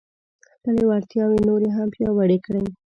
خپلې وړتیاوې نورې هم پیاوړې کړئ.